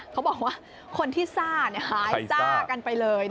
เขาบอกว่าคนที่ซ่าหายซ่ากันไปเลย